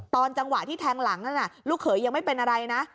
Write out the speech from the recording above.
ตอนจังหวะที่แทงหลังนั้นลูกเขยยังไม่เป็นอะไรนะ